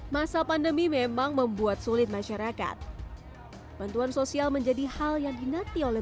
masa pandemi memang membuat sulit masyarakat bantuan sosial menjadi hal yang dinanti oleh